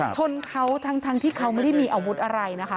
ชนเขาทั้งที่เขาไม่ได้มีอาวุธอะไรนะคะ